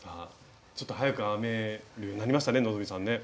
ちょっと速く編めるようになりましたね